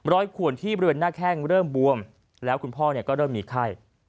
ขวนที่บริเวณหน้าแข้งเริ่มบวมแล้วคุณพ่อก็เริ่มมีไข้